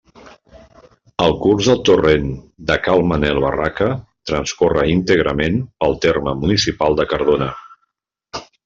El curs del Torrent de Cal Manel Barraca transcorre íntegrament pel terme municipal de Cardona.